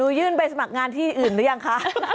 นุนุยื่นไปสมัครงานที่อื่นรึยังคะ